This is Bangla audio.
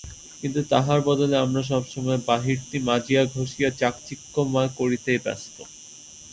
কিন্তু তাহার বদলে আমরা সব সময় বাহিরটি মাজিয়া ঘষিয়া চাকচিক্যময় করিতেই ব্যস্ত।